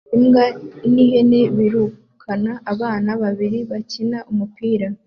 Imbwa n'ihene birukana abana babiri bakina umupira